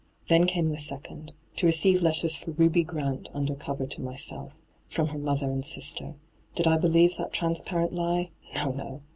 ' Then came the second — to receive letters for Ruby Grant under cover to myself. From her mother and sister— did I believe that transparent lie ? No, no